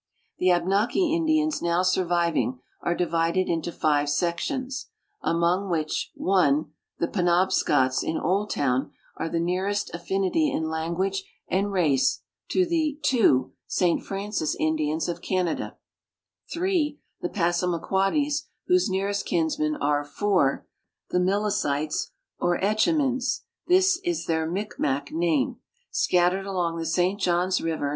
The Abnaki Indians now sur viving are divided into five sections, among which (1) the Pe nobscots in Oldtown are the nearest afhnit}' in language and race to the (2) St Francis Indians of Canada ; (3) the Passamaqaoddies, whose nearest kinsmen are (4) the Mlliciies, or Etchemins (this is their Micmac name), scattered along the St Johns river.